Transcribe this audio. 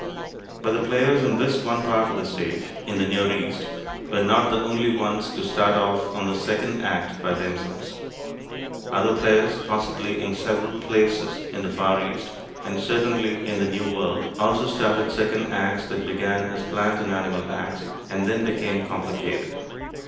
But the players in this one part of the stage in the Near East were not the only ones to start off on the second act by themselves. Other players, possibly in several places in the Far East, and certainly in the New World, also started second acts that began as plant and animal acts, and then became complicated.